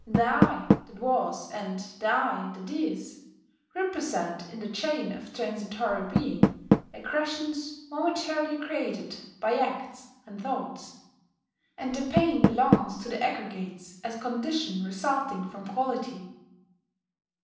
The 'I' that was and the 'I' that is represent in the chain of transitory being aggregations momentarily created by acts and thoughts; and the pain belongs to the aggregates as condition resulting from quality."